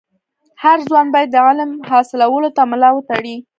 هر ځوان باید د علم حاصلولو ته ملا و تړي.